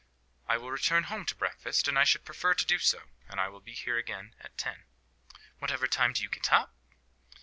"I will return home to breakfast. I should prefer to do so. And I will be here again at ten." "Whatever time do you get up?"